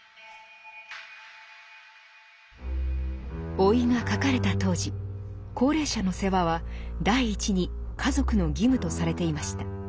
「老い」が書かれた当時高齢者の世話は第一に家族の義務とされていました。